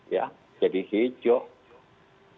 ya jadi hijau